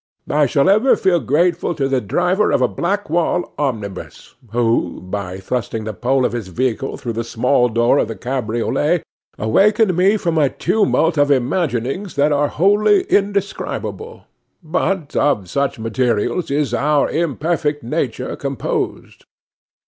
I shall ever feel grateful to the driver of a Blackwall omnibus who, by thrusting the pole of his vehicle through the small door of the cabriolet, awakened me from a tumult of imaginings that are wholly indescribable. But of such materials is our imperfect nature composed!